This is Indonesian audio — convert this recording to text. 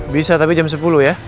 bisa tapi jam sepuluh ya